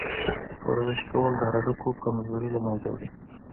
ورزش کول د هډوکو کمزوري له منځه وړي.